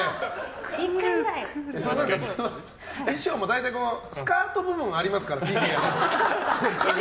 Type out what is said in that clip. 衣装も、大体スカート部分ありますから。